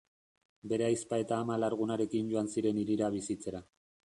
Bere ahizpa eta ama alargunarekin joan ziren hirira bizitzera.